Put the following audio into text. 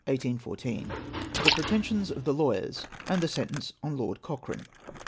]' THE PRETENSIONS OF THE LAWYERS, AND THE SENTENCE ON LORD COCHRANE.